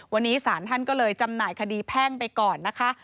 วันนี้ศาลท่านก็เลยจำหน่ายคดีแพ่งไปก่อนนะคะ